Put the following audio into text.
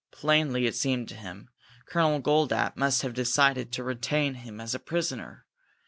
Plainly, it seemed to him, Colonel Goldapp must have decided to retain him as a prisoner.